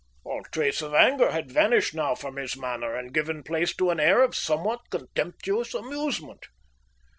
All trace of anger had vanished now from his manner, and given place to an air of somewhat contemptuous amusement.